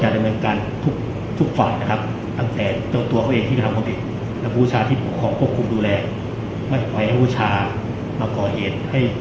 เดิมการทุกฝ่ายตั้งแต่จูบตัวเค้าเองที่กระทำภอบิต